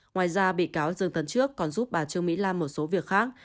ngoài ra bị cáo dương tấn trước còn giúp bà trương mỹ lan một số việc khác